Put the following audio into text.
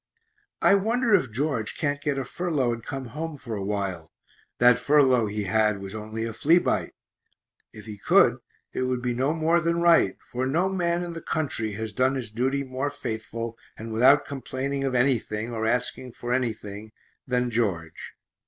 I wonder if George can't get a furlough and come home for a while; that furlough he had was only a flea bite. If he could it would be no more than right, for no man in the country has done his duty more faithful, and without complaining of anything or asking for anything, than George.